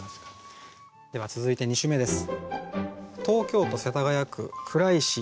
では続いて２首目です。